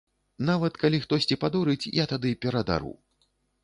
Нават калі хтосьці падорыць, я тады перадару.